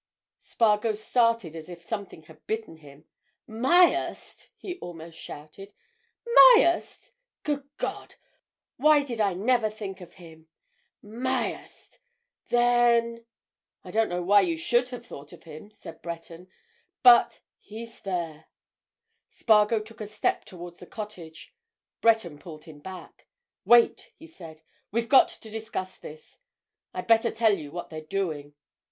Spargo started as if something had bitten him. "Myerst!" he almost shouted. "Myerst! Good Lord!—why did I never think of him? Myerst! Then——" "I don't know why you should have thought of him," said Breton. "But—he's there." Spargo took a step towards the cottage: Breton pulled him back. "Wait!" he said. "We've got to discuss this. I'd better tell you what they're doing."